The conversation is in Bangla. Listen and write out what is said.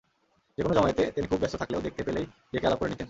যেকোনো জমায়েতে তিনি খুব ব্যস্ত থাকলেও দেখতে পেলেই ডেকে আলাপ করে নিতেন।